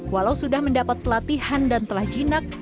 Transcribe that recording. walau sudah mendapat pelatihan dan telah jinak